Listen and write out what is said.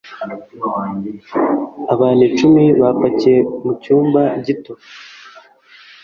Abantu icumi bapakiye mu cyumba gito